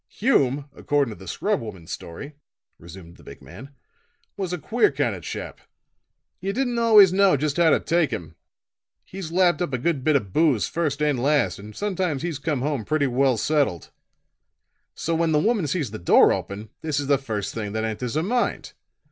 "Hume, according to the scrub woman's story," resumed the big man, "was a queer kind of a chap. You didn't always know just how to take him. He's lapped up a good bit of booze first and last and sometimes he's come home pretty well settled. So when the woman sees the door open, this is the first thing that enters her mind.